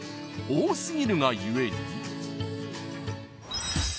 多すぎるが故に］